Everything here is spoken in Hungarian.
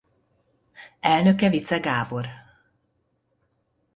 Elnöke Vicze Gábor.